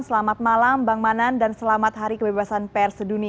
selamat malam bang manan dan selamat hari kebebasan pers sedunia